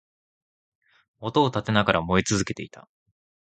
音を立てながら燃え続けていた